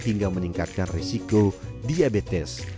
hingga meningkatkan risiko diabetes